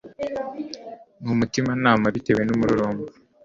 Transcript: nUmutimanama Bitewe nUmururumba